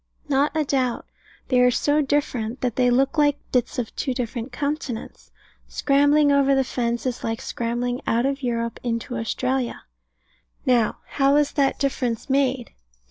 Not a doubt. They are so different, that they look like bits of two different continents. Scrambling over the fence is like scrambling out of Europe into Australia. Now, how was that difference made?